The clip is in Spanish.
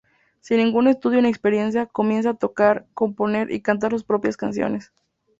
Sin ningún estudio ni experiencia, comienza a tocar, componer y cantar sus propias canciones.